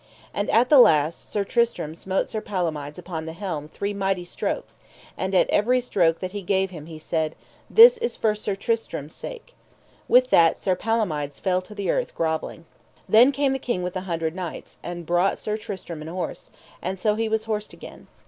And at the last Sir Tristram smote Sir Palomides upon the helm three mighty strokes, and at every stroke that he gave him he said: This for Sir Tristram's sake. With that Sir Palomides fell to the earth grovelling. Then came the King with the Hundred Knights, and brought Sir Tristram an horse, and so was he horsed again.